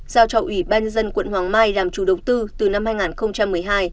giao cho ủy ban dân quận hoàng mai làm chủ động tư từ năm hai nghìn một mươi hai